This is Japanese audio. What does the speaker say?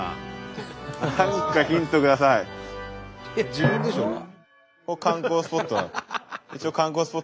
自分でしょうが。